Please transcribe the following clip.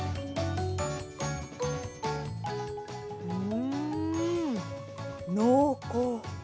うーん、濃厚。